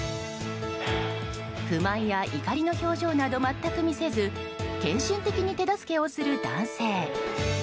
不満や怒りの表情など全く見せず献身的に手助けをする男性。